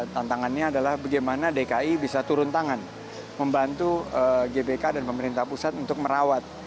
tantangannya adalah bagaimana dki bisa turun tangan membantu gbk dan pemerintah pusat untuk merawat